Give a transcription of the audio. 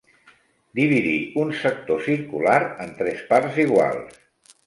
Dividir un sector circular en tres parts iguals.